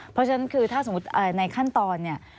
เพราะฉะนั้นคือถ้าสมมุติในขั้นตอนเนี่ย